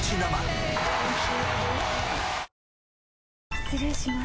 失礼します。